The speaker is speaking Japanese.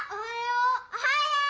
おはよう！